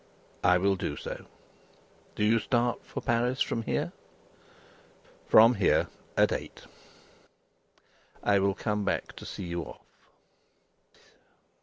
"I will do so. Do you start for Paris from here?" "From here, at eight." "I will come back, to see you off."